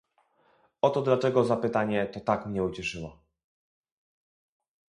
Oto dlaczego zapytanie to tak mnie ucieszyło